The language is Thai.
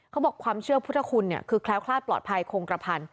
เขาบอกความเชื่อพุทธคุณเนี่ยคือแคล้วคลาดปลอดภัยคงกระพัน